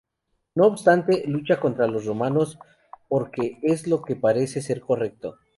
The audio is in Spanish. No obstante, lucha contra los romanos porque es lo que le parece ser correcto.